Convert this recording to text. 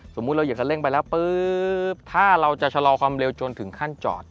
สมมุติเราอยากจะเร่งไปแล้วปุ๊บถ้าเราจะชะลอความเร็วจนถึงขั้นจอด